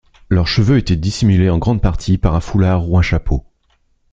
Leurs cheveux étaient dissimulés en grande partie par un foulard ou un chapeau.